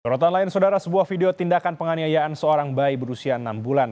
rotan lain saudara sebuah video tindakan penganiayaan seorang bayi berusia enam bulan